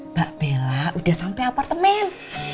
mbak bella udah sampai apartemen